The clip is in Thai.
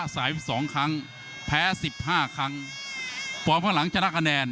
สิบสองครั้งแพ้สิบห้าครั้งฟอร์มข้างหลังชนะคะแนน